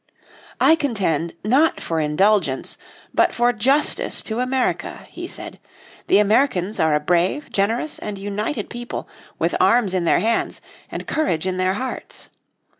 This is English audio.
"I contend, not for indulgence, but for justice to America," he said. "The Americans are a brave, generous and united people, with arms in their hands, and courage in their hearts.